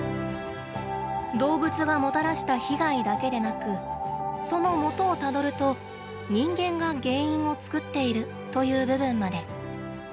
動物がもたらした被害だけでなくそのもとをたどると人間が原因を作っているという部分まで。